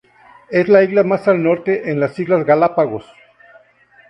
Es la isla más al norte en las islas Galápagos.